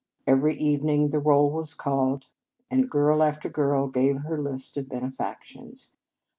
Every even ing the roll was called, and girl after girl gave in her list of benefactions.